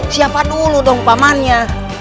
siapa dulu dong pamannya